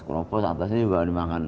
kropos atasnya dibawa dimakan